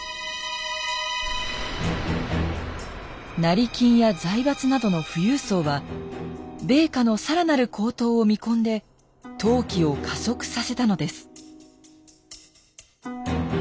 成金や財閥などの富裕層は米価の更なる高騰を見込んで投機を加速させたのです。